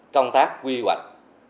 công tác quy hoạch